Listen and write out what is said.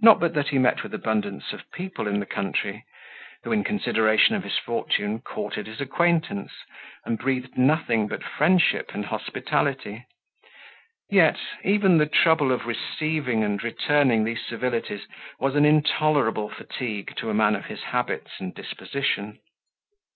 Not but that he met with abundance of people in the country, who, in consideration of his fortune, courted his acquaintance, and breathed nothing but friendship and hospitality; yet, even the trouble of receiving and returning these civilities was an intolerable fatigue to a man of his habits and disposition.